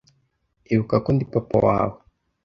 ibuka ko ndi papa wawe